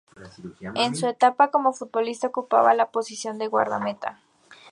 En su etapa como futbolista ocupaba la posición de guardameta.